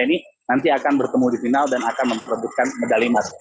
ini nanti akan bertemu di final dan akan memperebutkan medali emas